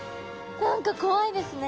何かこわいですね。